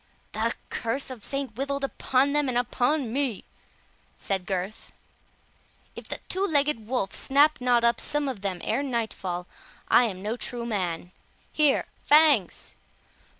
"The curse of St Withold upon them and upon me!" said Gurth; "if the two legged wolf snap not up some of them ere nightfall, I am no true man. Here, Fangs!